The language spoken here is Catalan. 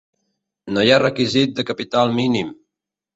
No hi ha requisit de capital mínim.